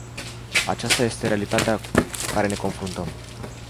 Aceasta este realitatea cu care ne confruntăm.